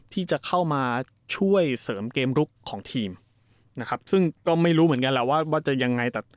ที่จะเข้ามาช่วยเสริมเกมลุกของทีมนะครับซึ่งก็ไม่รู้เหมือนกันแหละว่าจะยังไง